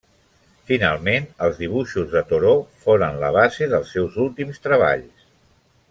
Finalment, els dibuixos de Thoreau foren la base dels seus últims treballs.